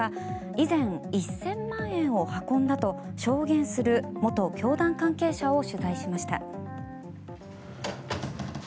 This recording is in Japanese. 以前、１０００万円を運んだと証言する元教団関係者を取材しました。